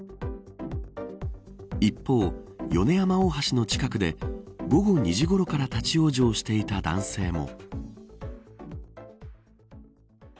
一方、米山大橋の近くで午後２時ごろから立ち往生していた男性も。